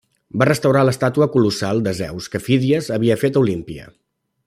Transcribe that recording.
Va restaurar l'estàtua colossal de Zeus que Fídies havia fet a Olímpia.